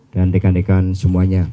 dan rekan rekan semuanya